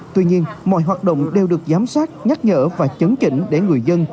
tuy nhiên mọi hoạt động đều được giám sát nhắc nhở và chấn chỉnh để người dân